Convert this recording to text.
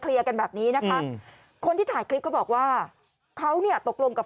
กันแบบนี้นะคะคนที่ถ่ายคลิปเขาบอกว่าเขาเนี่ยตกลงกับ